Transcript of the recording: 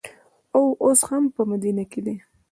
او اوس هم په مدینه کې دي.